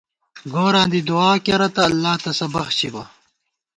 گوراں دی دُعا کېرہ تہ اللہ تسہ بخچبہ